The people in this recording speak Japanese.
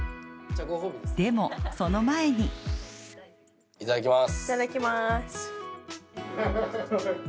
でも、その前にいただきます。